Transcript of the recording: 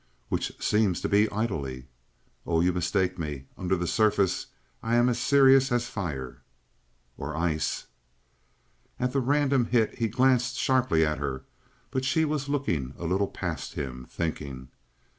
"Which seems to be idly." "Oh, you mistake me. Under the surface I am as serious as fire." "Or ice." At the random hit he glanced sharply at her, but she was looking a little past him, thinking.